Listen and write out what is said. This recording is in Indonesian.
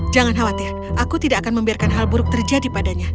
jangan khawatir aku tidak akan membiarkan hal buruk terjadi padanya